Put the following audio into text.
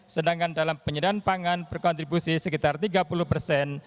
sedangkan dalam penyediaan pangan berkontribusi sekitar tiga puluh persen